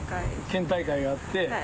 県大会があって。